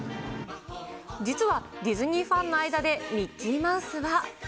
実はディズニーファンの間でミッキーマウスは。